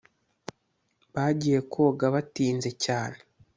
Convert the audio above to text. Bagiye koga batinze cyane